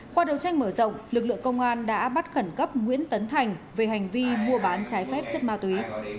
qua đầu tranh mở rộng lực lượng công an đã bắt khẩn cấp nguyễn tấn thành về hành vi mua bán trái phép chất ma túy